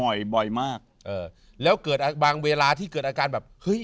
บ่อยบ่อยมากเออแล้วเกิดบางเวลาที่เกิดอาการแบบเฮ้ย